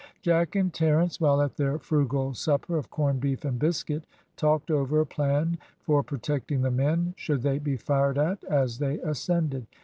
Jack and Terence while at their frugal supper of corn beef and biscuit, talked over a plan for protecting the men, should they be fired at as they ascended.